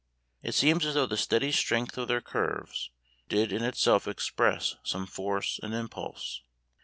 It seems as though the steady strength of their curves did in itself express some force and impulse.